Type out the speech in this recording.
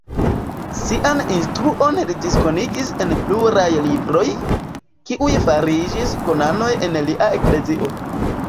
Sian instruon li diskonigis en pluraj libroj, kiuj fariĝis kanonaj en lia eklezio.